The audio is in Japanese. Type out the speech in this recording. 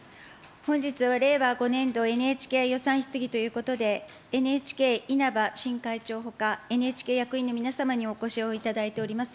本日は令和５年度ＮＨＫ予算質疑ということで、ＮＨＫ、稲葉新会長ほか、ＮＨＫ役員の皆様にお越しをいただいております。